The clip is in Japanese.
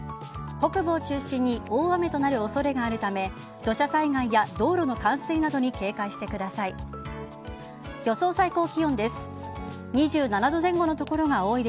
北部を中心に大雨となる恐れがあるため土砂災害や道路の冠水などに警戒してください。